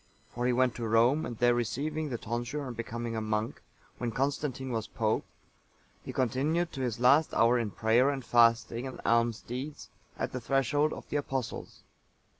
For he went to Rome, and there receiving the tonsure and becoming a monk, when Constantine(885) was pope, he continued to his last hour in prayer and fasting and alms deeds at the threshold of the Apostles.